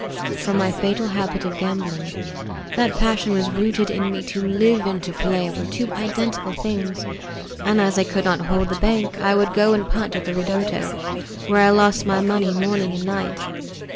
From my fatal habit of gambling. That passion was rooted in me; to live and to play were to me two identical things, and as I could not hold the bank I would go and punt at the ridotto, where I lost my money morning and night.